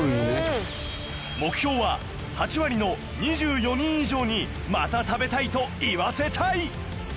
目標は８割の２４人以上に「また食べたい」と言わせたい！